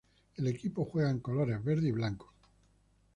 El equipo juega en colores verde y blanco.